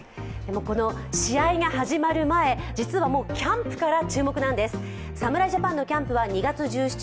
試合が始まる前、実はもうキャンプから注目なんです。